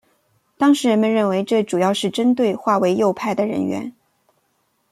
当时人们认为这主要是针对划为右派的人员。